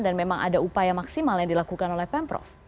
dan memang ada upaya maksimal yang dilakukan oleh pemprov